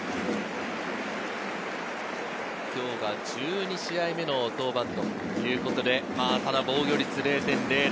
今日が１２試合目の登板ということで、防御率０．００。